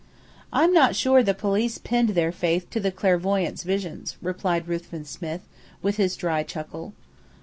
"I'm not sure the police pinned their faith to the clairvoyante's visions," replied Ruthven Smith, with his dry chuckle.